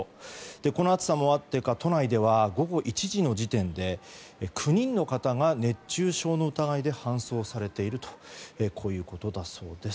この暑さもあってか都内では午後１時の時点で９人の方が熱中症の疑いで搬送されているということだそうです。